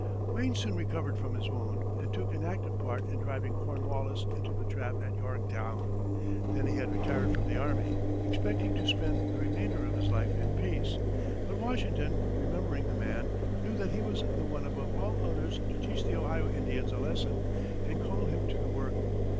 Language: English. Wayne soon recovered from his wound, and took an active part in driving Cornwallis into the trap at Yorktown. Then he had retired from the army, expecting to spend the remainder of his life in peace; but Washington, remembering the man, knew that he was the one above all others to teach the Ohio Indians a lesson, and called him to the work.